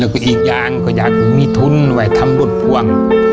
และก็อีกอย่างก็อยากจำนีทุนไว้ทำรุ่นพวง